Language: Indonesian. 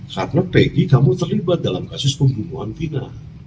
karena peggy kamu terlibat dalam kasus pembunuhan tina